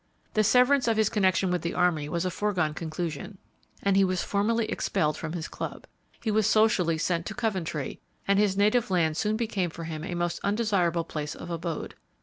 The severance of his connection with the army was a foregone conclusion, and he was formally expelled from his club. He was socially sent to Coventry, and his native land soon became for him a most undesirable place of abode.